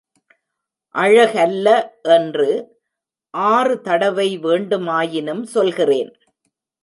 அழகல்ல என்று ஆறு தடவை வேண்டுமாயினும் சொல்கிறேன்.